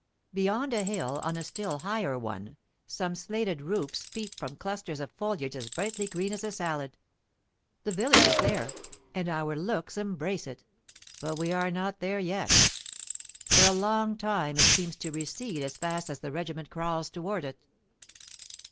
Beyond a hill, on a still higher one, some slated roofs peep from clusters of foliage as brightly green as a salad. The village is there, and our looks embrace it, but we are not there yet. For a long time it seems to recede as fast as the regiment crawls towards it.